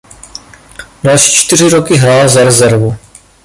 Další čtyři roky hrál za rezervu.